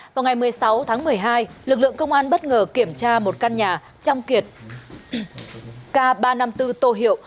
vào ngày một mươi sáu tháng một mươi hai lực lượng công an bất ngờ kiểm tra một căn nhà trong kiệt k ba trăm năm mươi bốn tô hiệu